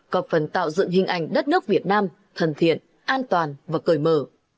cộng phần tạo dựng hình ảnh đất nước việt nam thần thiện an toàn và cởi mở